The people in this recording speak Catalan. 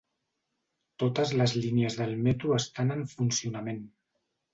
Totes les línies del metro estan en funcionament